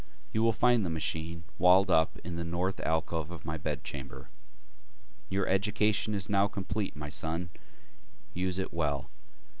You will find the machine walled up in the North alcove of my bedchamber. Your education is now complete my son, use it well.